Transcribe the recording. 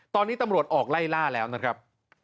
ตอนนี้ตำรวจออกไล่ล่าแล้วนะครับ